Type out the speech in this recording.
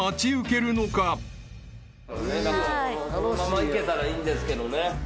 このまま行けたらいいんですけどね。